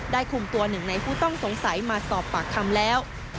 คุมตัวหนึ่งในผู้ต้องสงสัยมาสอบปากคำแล้ว